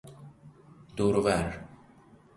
دور و ور